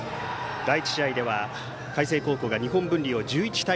第１試合では海星高校が日本文理を１１対０。